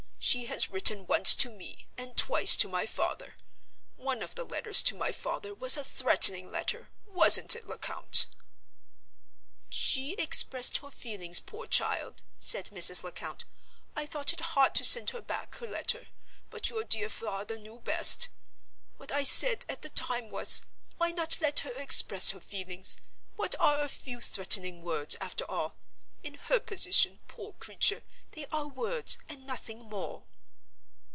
She has written once to me, and twice to my father. One of the letters to my father was a threatening letter—wasn't it, Lecount?" "She expressed her feelings, poor child," said Mrs. Lecount. "I thought it hard to send her back her letter, but your dear father knew best. What I said at the time was, Why not let her express her feelings? What are a few threatening words, after all? In her position, poor creature, they are words, and nothing more."